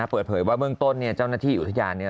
เปิดเผยว่าเบื้องต้นเจ้าหน้าที่อุทยาน